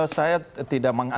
saya tidak mengantar